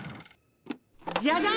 ジャジャン！